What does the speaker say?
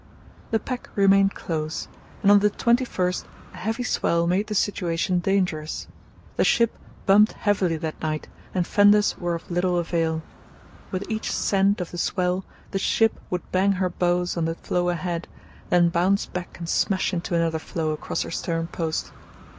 The pack remained close, and on the 21st a heavy swell made the situation dangerous. The ship bumped heavily that night and fenders were of little avail. With each "send" of the swell the ship would bang her bows on the floe ahead, then bounce back and smash into another floe across her stern post.